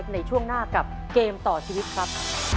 ในช่วงหน้ากับเกมต่อชีวิตครับ